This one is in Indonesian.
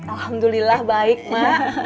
alhamdulillah baik ma